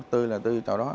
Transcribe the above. tươi là tươi